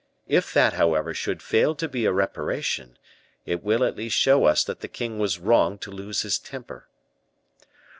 If that, however, should fail to be a reparation, it will at least show us that the king was wrong to lose his temper."